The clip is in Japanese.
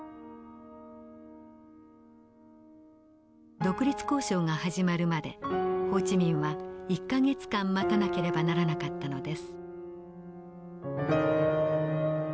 独立交渉が始まるまでホー・チ・ミンは１か月間待たなければならなかったのです。